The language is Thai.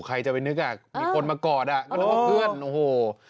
ใครจะไปนึกอ่ะมีคนมากอดอ่ะก็นึกว่าเพื่อนโอ้โห